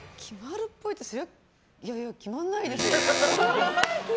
いやいや、決まらないですよ。